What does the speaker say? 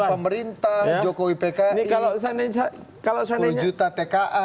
pemerintah jokowi pki sepuluh juta tka